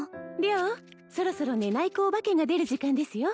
良そろそろ寝ない子お化けが出る時間ですよ